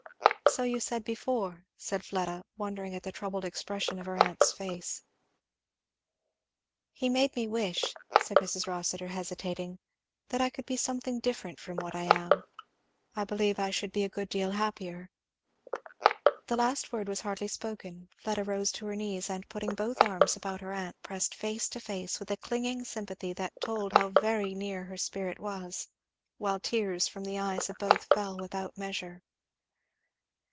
"So you said before," said Fleda, wondering at the troubled expression of her aunt's face. "He made me wish," said Mrs. Rossitur hesitating, "that I could be something different from what I am I believe I should be a great deal happier" The last word was hardly spoken. Fleda rose to her knees and putting both arms about her aunt pressed face to face, with a clinging sympathy that told how very near her spirit was; while tears from the eyes of both fell without measure.